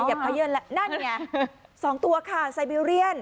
เก็บเข้าเยื่อนแล้วนั่นไงสองตัวค่ะไซเบียเรียน